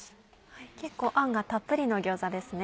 結構あんがたっぷりの餃子ですね。